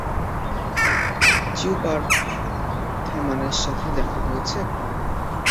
চিউপারম্যানের সাথে দেখা হয়েছে?